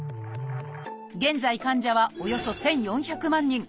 現在患者はおよそ１，４００万人。